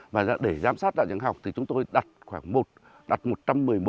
và để giám sát đa dạng học thì chúng tôi đặt khoảng một trăm một mươi một cái